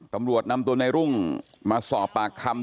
ตำรวจนำตัวในรุ่งมาสอบปากคำ